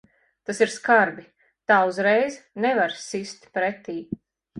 Tas ir skarbi. Tā uzreiz nevar sist pretī.